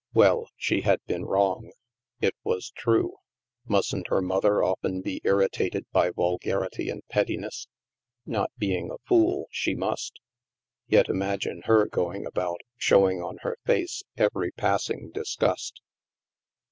Well, she had been wrong. It was true. Mustn't her mother often be irritated by vulgarity and pettiness? Not being a fool, she must. Yet imagine her going about, showing on her face every passing disgust!